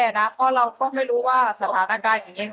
เพราะเราก็ไม่รู้ว่าสถานการณ์อย่างนี้